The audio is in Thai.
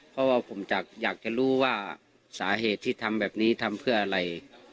เพราะว่าผมอยากจะรู้ว่าสาเหตุที่ทำแบบนี้ทำเพื่ออะไร